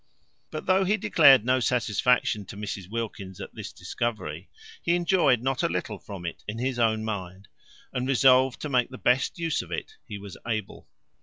But though he declared no satisfaction to Mrs Wilkins at this discovery, he enjoyed not a little from it in his own mind, and resolved to make the best use of it he was able.